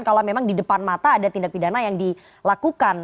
kalau memang di depan mata ada tindak pidana yang dilakukan